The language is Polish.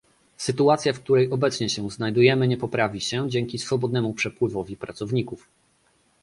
Sytuacja, w której obecnie się znajdujemy, nie poprawi się dzięki swobodnemu przepływowi pracowników